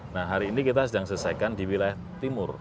nah hari ini kita sedang selesaikan di wilayah timur